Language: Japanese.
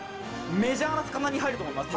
メジャーな魚に入ると思います